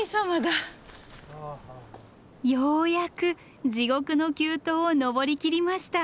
ようやく地獄の急登を登りきりました。